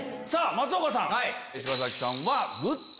松岡さん！